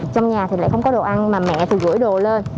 trong nhà thì lại không có đồ ăn mà mẹ thì gửi đồ lên